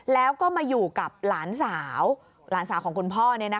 แล้วก็มาอยู่กับหลานสาวหลานสาวของคุณพ่อ